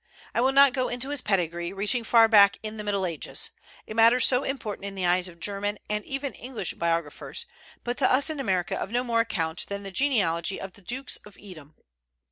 I will not go into his pedigree, reaching far back in the Middle Ages, a matter so important in the eyes of German and even English biographers, but to us in America of no more account than the genealogy of the Dukes of Edom.